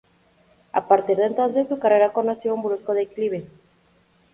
A partir de entonces, su carrera conoció un brusco declive.